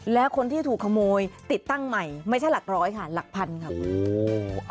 และคนที่ถูกขโมยติดตั้งใหม่ไม่ใช่หลักร้อยค่ะหลักพันค่ะ